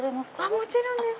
もちろんです。